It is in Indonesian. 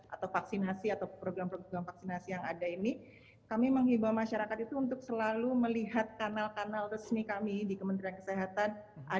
atau vaksinasi atau program program vaksinasi yang ada ini kami menghibau masyarakat itu untuk selalu melihat kanal kanal resmi kami di kementerian kesehatan